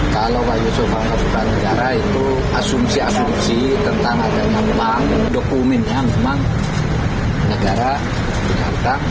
kalau yusuf hamka punya utang itu asumsi asumsi tentang adanya pembahas dokumen yang memang negara punya utang